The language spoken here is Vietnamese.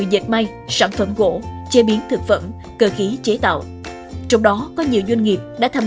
dệt may sản phẩm gỗ chế biến thực phẩm cơ khí chế tạo trong đó có nhiều doanh nghiệp đã tham